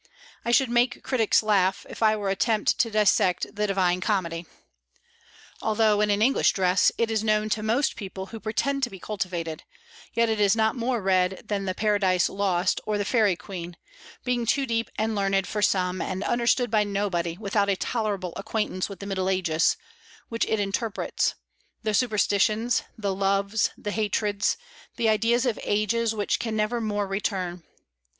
I should make critics laugh if I were to attempt to dissect the Divine Comedy. Although, in an English dress, it is known to most people who pretend to be cultivated, yet it is not more read than the "Paradise Lost" or the "Faerie Queene," being too deep and learned for some, and understood by nobody without a tolerable acquaintance with the Middle Ages, which it interprets, the superstitions, the loves, the hatreds, the ideas of ages which can never more return.